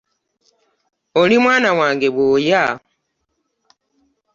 Oli mwana wange bwoya.